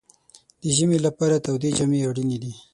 د ژمي لپاره تودې جامې اړینې دي.